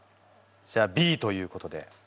じゃあＢということで。